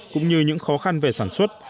cũng như những khó khăn về sản xuất